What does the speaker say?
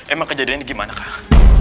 emang kejadian ini gimana kak